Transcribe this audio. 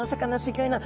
ギョいな